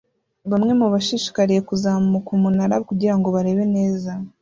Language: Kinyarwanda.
Bamwe mu bashishikariye kuzamuka umunara kugirango barebe neza